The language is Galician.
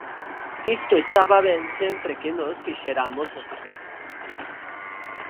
Isto estaba ben sempre que nós fixeramos os deberes.